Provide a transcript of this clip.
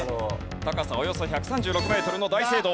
高さおよそ１３６メートルの大聖堂。